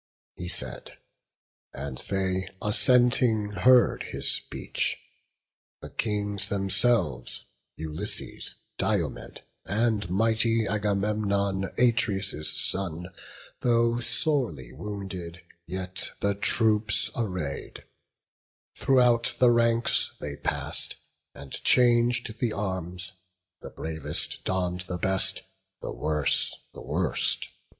He said, and they assenting heard his speech. The Kings themselves, Ulysses, Diomed, And mighty Agamemnon, Atreus' son, Though sorely wounded, yet the troops array'd; Thro'out the ranks they pass'd, and chang'd the arms; The bravest donn'd the best, the worse the worst.